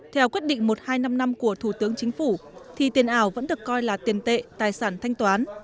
theo quyết định một nghìn hai trăm năm mươi năm của thủ tướng chính phủ thì tiền ảo vẫn được coi là tiền tệ tài sản thanh toán